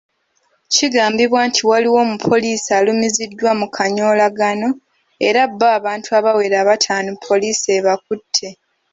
Kigambibwa nti waliwo omupoliisi alumiziddwa mu kanyoolagano era bo abantu abawera bataano poliisi ebakutte.